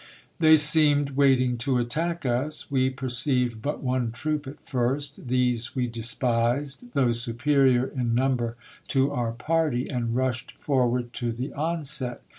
They seemed waiting to attack us. We perceived but one troop at first. These we despised, though superior in number to our party, and rushed forward to the onset.